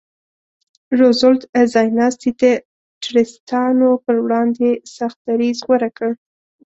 روزولټ ځایناستي د ټرستانو پر وړاندې سخت دریځ غوره کړ.